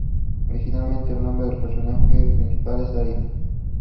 Its administrative centre was Nikolsk.